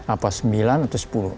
apa sembilan atau sepuluh